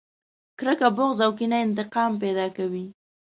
کرکه، بغض او کينه انتقام پیدا کوي.